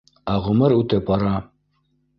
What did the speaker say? Ә ғүмер үтеп бара